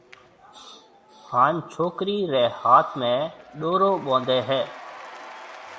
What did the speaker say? ھان ڇوڪرِي رَي ھاٿ ۾ ڏورو ٻونڌَي ھيََََ